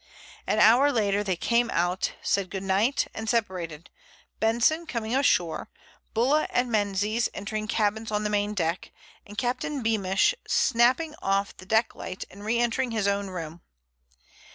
An hour later they came out, said "Good night," and separated, Benson coming ashore, Bulla and Menzies entering cabins on the main deck, and Captain Beamish snapping off the deck light and re entering his own room.